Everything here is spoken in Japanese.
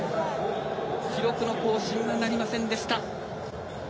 記録の更新はなりませんでした。